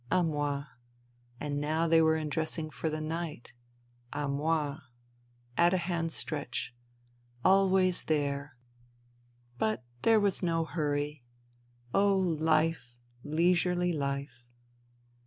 ... A moi, ... Now they were undressing for the night. ,.. A mot, ... At a handstretch. Always there. But there was no hurry. life ... leisurely life